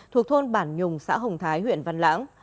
thuộc thôn bản nhùng xã hồng thái huyện văn lãng